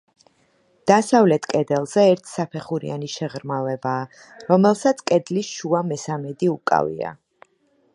დასავლეთ კედელზე ერთსაფეხურიანი შეღრმავებაა, რომელსაც კედლის შუა მესამედი უკავია.